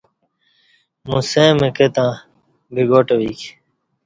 موسہ مکہ تں بگاٹ ویک